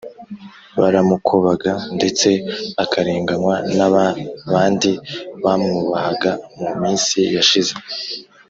Baramukobaga ndetse akarenganywa na ba bandi bamwubahaga mu minsi yashije